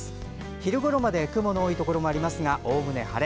昼ごろまで雲の多いところもありますがおおむね晴れ。